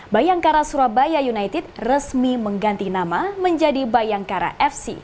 bayangkara surabaya united resmi mengganti nama menjadi bayangkara fc